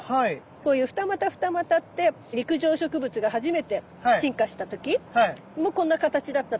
こういう二股二股って陸上植物が初めて進化した時もこんな形だったと言われていて。